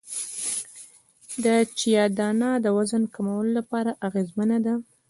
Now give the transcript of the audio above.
د چیا دانه د وزن کمولو لپاره اغیزمنه ده